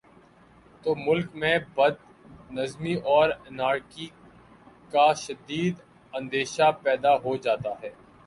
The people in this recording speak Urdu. تو ملک میں بد نظمی اور انارکی کا شدید اندیشہ پیدا ہو جاتا ہے